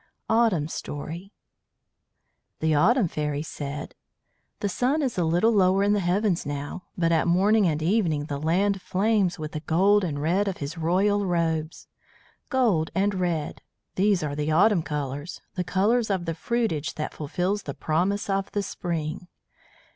AUTUMN STORY The Autumn Fairy said: "The sun is a little lower in the heavens now, but at morning and evening the land flames with the gold and red of his royal robes. Gold and red! These are the autumn colours, the colours of the fruitage that fulfils the promise of the spring.